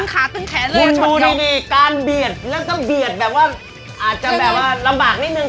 คุณดูดีการเบียดแล้วก็เบียดแบบว่าอาจจะแบบว่าลำบากนิดนึง